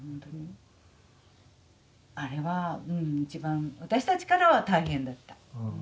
あれは一番私たちからは大変だった。